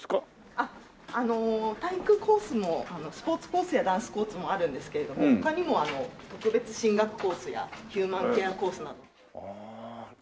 あっあの体育コースもスポーツコースやダンスコースもあるんですけれども他にも特別進学コースやヒューマンケアコースなど。